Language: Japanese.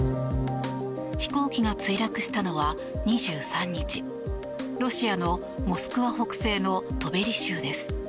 飛行機が墜落したのは２３日ロシアのモスクワ北西のトベリ州です。